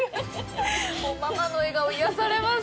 ママの笑顔、癒やされます。